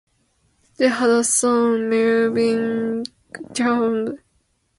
They had a son, Melvin Chernev.